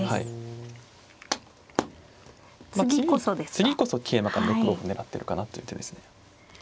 次こそ桂馬から６五歩狙ってるかなという手ですね。